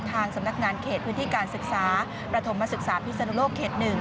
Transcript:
ทางสำนักงานเขตพื้นที่การศึกษาประถมศึกษาพิศนุโลกเขต๑